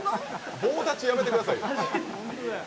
棒立ちやめてくださいよ。